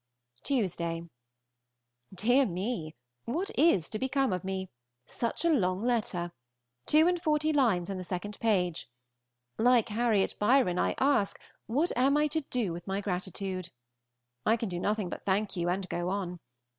Tuesday. Dear me! what is to become of me? Such a long letter! Two and forty lines in the second page. Like Harriot Byron, I ask, what am I to do with my gratitude? I can do nothing but thank you and go on.